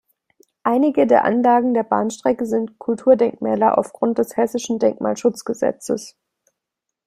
Einige der Anlagen der Bahnstrecke sind Kulturdenkmäler aufgrund des Hessischen Denkmalschutzgesetzes.